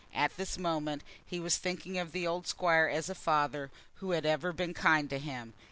At this moment he was thinking of the old Squire as a father who had ever been kind to him.